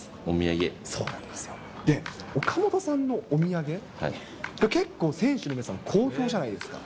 そうなんですよ、岡本さんのお土産、結構、選手の皆さん、好評じゃないですか。